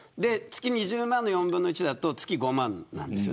２０万の４分の１だと月５万です。